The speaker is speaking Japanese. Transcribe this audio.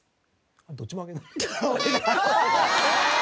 どっちも挙げない。